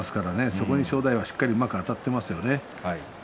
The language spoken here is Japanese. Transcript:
そこに正代はしっかりあたっていますよね。